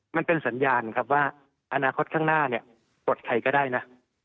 มันเป็นสัญญาณครับว่าอนาคตข้างหน้าเนี่ยปลดใครก็ได้นะ